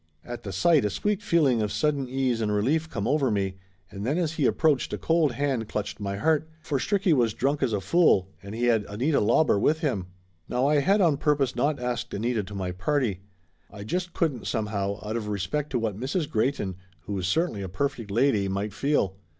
At the sight a sweet feeling of sudden ease and re lief come over me, and then as he approached a cold hand clutched my heart, for Stricky was drunk as a fool, and he had Anita Lauber with him. Now I had on purpose not asked Anita to my party. I just couldn't, somehow, out of respect to what Mrs. Greyton, who was certainly a perfect lady, might feel.